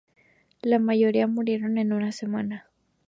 La mayoría murieron en una semana.